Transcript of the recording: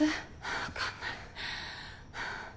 わかんない。